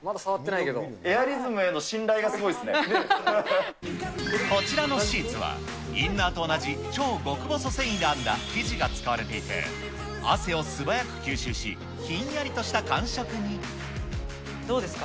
エアリズムへの信頼がすごいこちらのシーツは、インナーと同じ超極細繊維で編んだ生地が使われていて、汗を素早どうですか？